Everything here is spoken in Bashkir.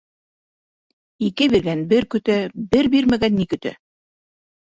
Ике биргән бер көтә, бер бирмәгән ни көтә?